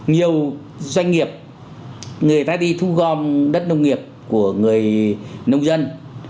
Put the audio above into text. nhiều doanh nghiệp người ta đi thu gom đất nông nghiệp của người nông dân